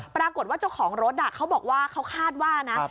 ปรากฏว่าเจ้าของรถเขาบอกว่าเขาคาดว่านะ